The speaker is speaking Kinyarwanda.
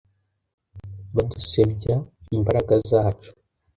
Badusebya imbaraga zacu